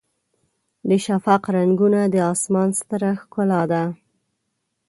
د شفق رنګونه د اسمان ستره ښکلا ده.